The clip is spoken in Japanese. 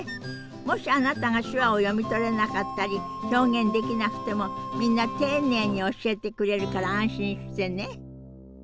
もしあなたが手話を読み取れなかったり表現できなくてもみんな丁寧に教えてくれるから安心してね。